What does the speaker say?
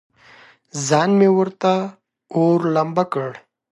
ځان مې ورته اور، لمبه کړ.